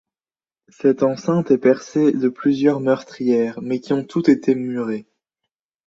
Cette enceinte est percée de plusieurs meurtrières mais qui toutes ont été murées.